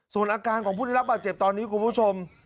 ส่วนอาการของผู้ได้รับบาดเจ็บตอนนี้คุณผู้ชม